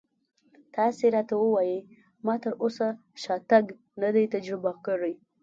تاسې راته ووایئ ما تراوسه شاتګ نه دی تجربه کړی.